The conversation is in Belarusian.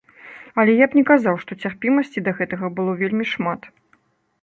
Але я б не сказаў, што цярпімасці да гэтага было вельмі шмат.